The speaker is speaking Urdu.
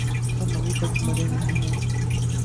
ہم أبھی تک مریں نہیں ہے۔